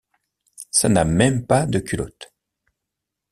Ça n’a même pas de culotte.